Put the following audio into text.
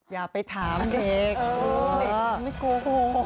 อย่าไปถามเด็ก